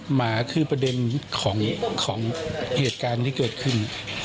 หมาคือประเด็นของเหตุการณ์ที่เกิดขึ้น